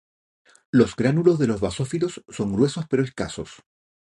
Los gránulos de los basófilos son gruesos pero escasos.